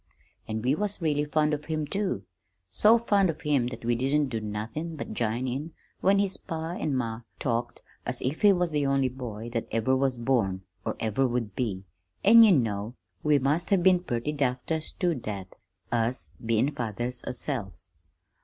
An' we was really fond of him, too, so fond of him that we didn't do nothin' but jine in when his pa an' ma talked as if he was the only boy that ever was born, or ever would be an' you know we must have been purty daft ter stood that, us bein' fathers ourselves!